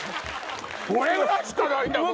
これぐらいしかないんだもん！